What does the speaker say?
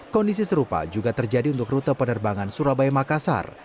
kondisi serupa juga terjadi untuk rute penerbangan surabaya makassar